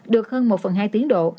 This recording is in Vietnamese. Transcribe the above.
được hơn một phần hai tiến độ